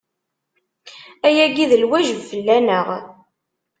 Ayagi d lwajeb fell-aneɣ.